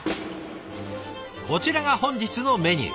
こちらが本日のメニュー。